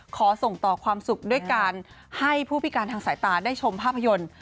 ขอส่งต่อความสุขด้วยการให้ผู้พิการทางสายตาได้ชมภาพยนตร์